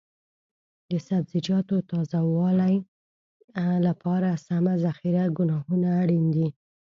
د سبزیجاتو تازه والي لپاره سمه ذخیره ګاهونه اړین دي.